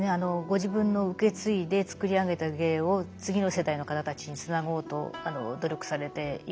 ご自分の受け継いで作り上げた芸を次の世代の方たちにつなごうと努力されていました。